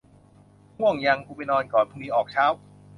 ง่วงยัง กูไปนอนก่อน พรุ่งนี้ออกเช้า